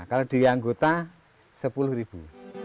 kalau dari anggota sepuluh ribu